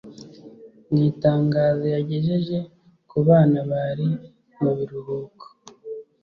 Mu itangazo yagejeje ku bana bari mu biruhuko